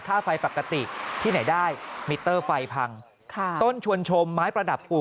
ค่าไฟปกติที่ไหนได้มิเตอร์ไฟพังค่ะต้นชวนชมไม้ประดับอู่